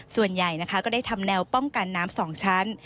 ส่วนใหญ่นะคะก็ได้ทำแนวป้องกันน้ำ๒ชั้น